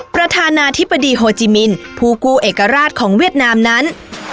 ประธานาธิบดีโฮจิมินผู้กู้เอกราชของเวียดนามนั้น